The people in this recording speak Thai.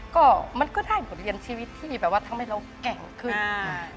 ก็มันก็ได้บทเรียนชีวิตที่แบบว่าทำให้เราแก่งขึ้น